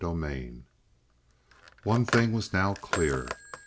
43 One thing was now clear.